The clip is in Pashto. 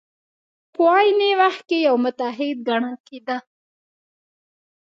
په عین وخت کې یو متحد ګڼل کېده.